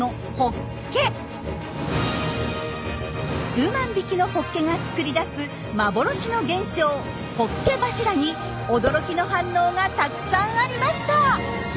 数万匹のホッケが作り出す幻の現象「ホッケ柱」に驚きの反応がたくさんありました。